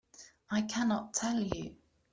I cannot tell you.